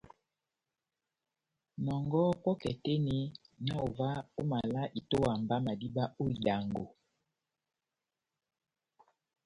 Nɔngɔhɔ pɔ́kɛ tɛ́h eni, na ová omaval a itówa mba madíba ó idango.